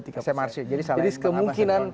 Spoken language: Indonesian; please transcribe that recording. smrc jadi salah yang dianggap asal jauh